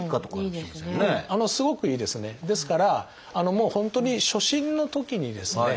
ですからもう本当に初診のときにですね